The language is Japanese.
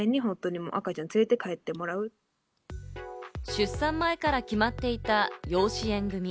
出産前から決まっていた養子縁組。